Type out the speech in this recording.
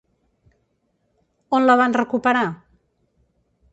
On la van recuperar?